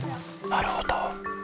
なるほど。